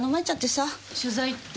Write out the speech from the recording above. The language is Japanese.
取材って？